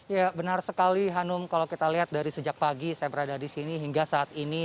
ya benar sekali hanum kalau kita lihat dari sejak pagi saya berada di sini hingga saat ini